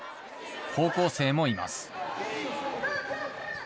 高校生もいます。